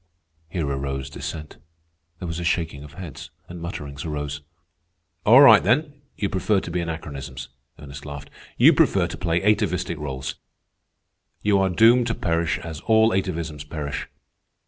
Here arose dissent. There was a shaking of heads, and mutterings arose. "All right, then, you prefer to be anachronisms," Ernest laughed. "You prefer to play atavistic rôles. You are doomed to perish as all atavisms perish.